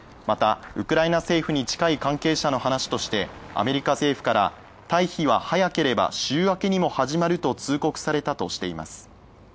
また、ウクライナ政府に近い関係者の話としてアメリカ政府から退避は早ければ週明けにも始まると通告されたとしています。